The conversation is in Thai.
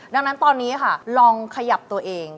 ดังนั้นตอนนี้ค่ะลองขยับตัวเอง